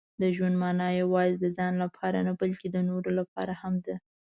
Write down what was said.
• د ژوند مانا یوازې د ځان لپاره نه، بلکې د نورو لپاره هم ده.